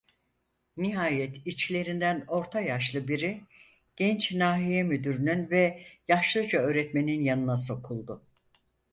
Nihayet içlerinden orta yaşlı biri genç nahiye müdürünün ve yaşlıca öğretmenin yanına sokuldu.